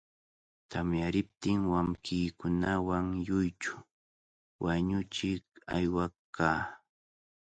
Tamyariptin, wawqiikunawan lluychu wañuchiq aywaq kaa.